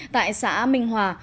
tại xã minh hòa